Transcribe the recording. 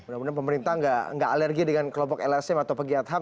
mudah mudahan pemerintah nggak alergi dengan kelompok lsm atau pegiat ham